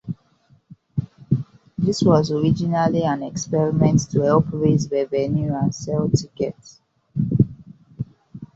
This was originally an experiment to help raise revenue and sell tickets.